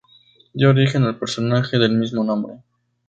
Dio origen al personaje del mismo nombre.